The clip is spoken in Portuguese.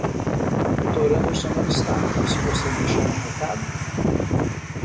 O Dr. Anderson não está, você gostaria de deixar um recado.